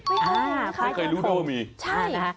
ไม่เคยรู้ด้วยว่ามี